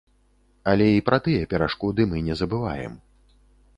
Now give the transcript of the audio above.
Але і пра тыя перашкоды мы не забываем.